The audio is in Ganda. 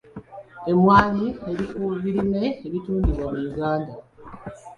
Emmwanyi eri ku birime ebitundibwa mu Uganda.